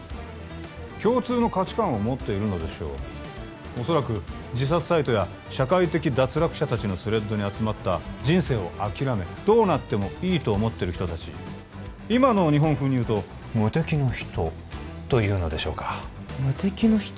共通の価値観を持っているのでしょうおそらく自殺サイトや社会的脱落者たちのスレッドに集まった人生を諦めどうなってもいいと思ってる人たち今の日本風に言うと「無敵の人」というのでしょうか無敵の人？